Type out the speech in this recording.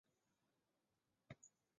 官至刑部主事。